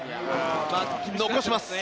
残します。